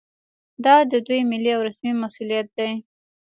دا د دوی ملي او رسمي مسوولیت دی